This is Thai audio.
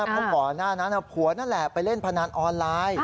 เพราะก่อนหน้านั้นผัวนั่นแหละไปเล่นพนันออนไลน์